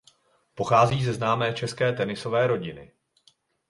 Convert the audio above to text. Pochází ze známé české tenisové rodiny.